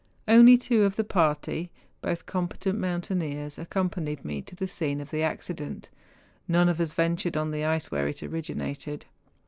Two only of the party, both competent moun¬ taineers, accompanied me to the scene of the ac¬ cident, and none of us ventured on the ice where it originated.